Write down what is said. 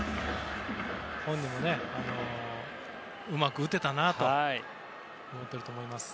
本人も、うまく打てたなと思っていると思います。